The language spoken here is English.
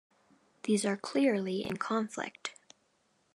These are clearly in conflict.